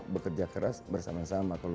bekerja keras bersama sama